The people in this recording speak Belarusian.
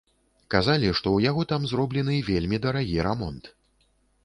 Казалі, што ў яго там зроблены вельмі дарагі рамонт.